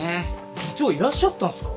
部長いらっしゃったんすか？